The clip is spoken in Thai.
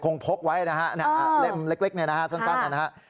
คงพกไว้นะครับเล่มเล็กในส้นนี่นะครับ